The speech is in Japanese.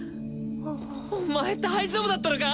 お前大丈夫だったのか？